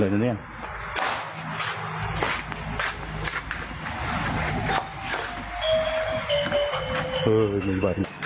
เฮ้อมันไหว